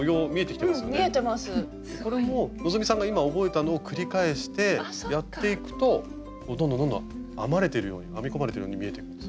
これも希さんが今覚えたのを繰り返してやっていくとどんどんどんどん編まれてるように編み込まれてるように見えてくるんです。